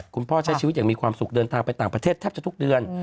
พ่อใช้ชีวิตอย่างมีความสุขเดินทางไปต่างประเทศแทบจะทุกเดือน